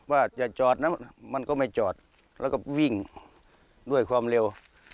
ว่าจะจอดนะมันก็ไม่จอดแล้วก็วิ่งด้วยความเร็ว